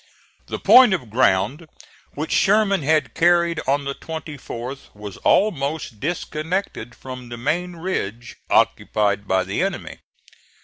The point of ground which Sherman had carried on the 24th was almost disconnected from the main ridge occupied by the enemy.